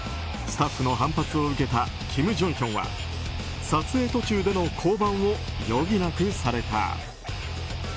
スタッフの反発を受けたキム・ジョンヒョンは撮影途中での降板を余儀なくされた。